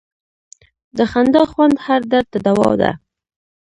د خندا خوند هر درد ته دوا ده.